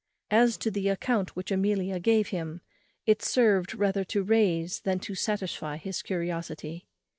As to the account which Amelia gave him, it served rather to raise than to satisfy his curiosity.